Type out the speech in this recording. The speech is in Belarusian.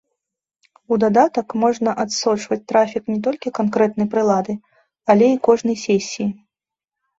У дадатак можна адсочваць трафік не толькі канкрэтнай прылады, але і кожнай сесіі.